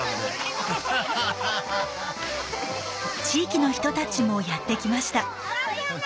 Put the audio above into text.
地域の人たちもやって来ました。